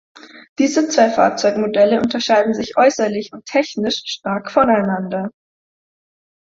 Diese zwei Fahrzeugmodelle unterscheiden sich äußerlich und technisch stark voneinander.